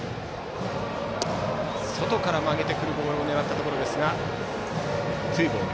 外から曲げてくるボールを狙ったところですがツーボール。